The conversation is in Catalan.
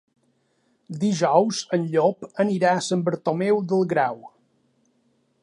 Dijous en Llop anirà a Sant Bartomeu del Grau.